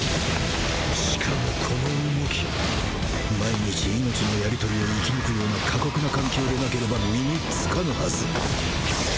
しかもこの動き毎日命のやり取りを生き抜くような過酷な環境でなければ身につかぬハズ